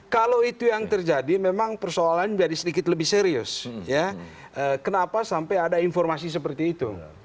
kalau itu yang terjadi memang persoalannya menjadi sedikit lebih serius kenapa sampai ada informasi seperti itu